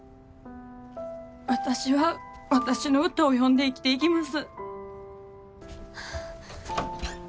私は私の歌を詠んで生きていきます。